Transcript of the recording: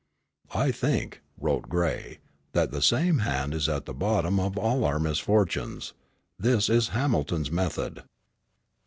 "I think," wrote Gray, "that the same hand is at the bottom of all our misfortunes. This is Hamilton's method."